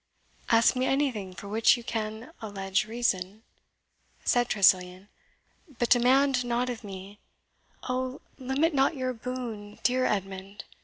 "Ask me anything for which you can allege reason," said Tressilian; "but demand not of me " "Oh, limit not your boon, dear Edmund!"